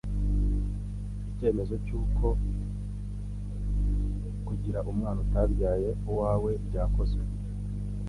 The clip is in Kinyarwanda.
Icyemezo cy'uko kugira umwana utabyaye uwawe byakozwe,